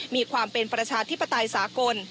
มีความเป็นประชาธิปไตยสากล